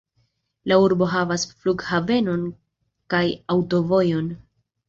La urbo havas flughavenon kaj aŭtovojon.